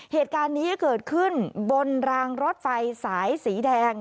เหตุการณ์นี้เกิดขึ้นบนรางรถไฟสายสีแดง